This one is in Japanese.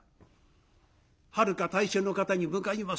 はるか大衆の方に向かいまして一礼。